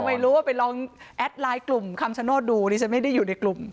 ไม่รู้ว่าไปลองแอดไลน์กลุ่มคำชโนธดูดิฉันไม่ได้อยู่ในกลุ่ม